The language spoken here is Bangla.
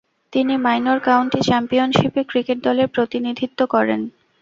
তিনি মাইনর কাউন্টি চ্যাম্পিয়নশিপে ক্রিকেট দলের প্রতিনিধিত্ব করেন।